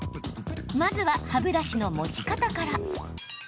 まずは歯ブラシの持ち方から。